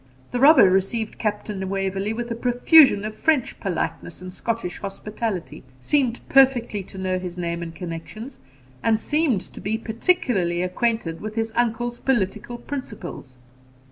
The robber received Captain Waverley with a profusion of French politeness and Scottish hospitality, seemed perfectly to know his name and connections, and to be particularly acquainted with his uncle's political principles.